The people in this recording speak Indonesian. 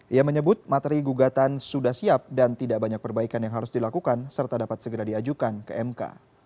ia menyebut materi gugatan sudah siap dan tidak banyak perbaikan yang harus dilakukan serta dapat segera diajukan ke mk